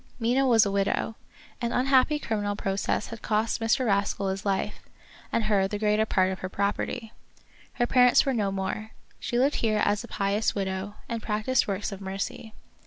Mina was a widow. An unhappy criminal process had cost Mr. Rascal his life, and her the greater part of her property. Her parents were no more. She lived here as a pious widow, and practiced works of mercy.